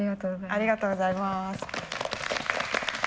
ありがとうございます。